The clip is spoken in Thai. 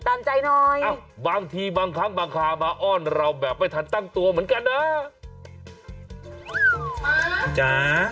ตามใจหน่อยบางทีบางครั้งมาขาบอ้อนเราแบบไม่ทันตั้งตัวเหมือนกันอะ